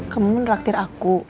kamu ngeraktir aku